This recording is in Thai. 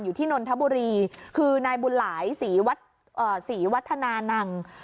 นนทบุรีคือนายบุญหลายศรีวัฒนานัง